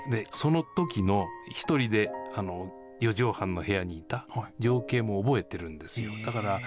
そのときの１人で四畳半の部屋にいた情景も覚えてるんですよ。